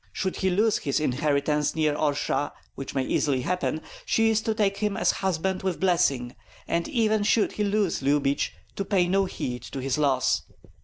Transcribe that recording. Should he lose his inheritance near Orsha, which may easily happen, she is to take him as husband with blessing; and even should he lose Lyubich, to pay no heed to the loss.